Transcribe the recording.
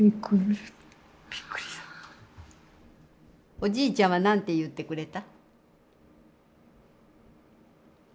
おじいちゃんは何て言ってくれた？